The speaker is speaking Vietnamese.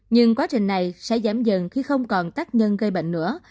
nhưng quá trình này sẽ giảm dần khi không còn tác nhân gây bệnh nữa